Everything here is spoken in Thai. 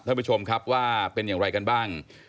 ท่านผู้ชมครับว่าเป็นอย่างไรกันบ้าง